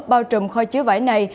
bao trùm kho chứa vải này